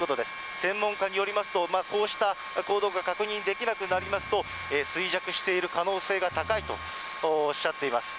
専門家によりますと、こうした行動が確認できなくなりますと、衰弱している可能性が高いとおっしゃっています。